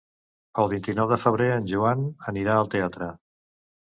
El vint-i-nou de febrer en Joan anirà al teatre.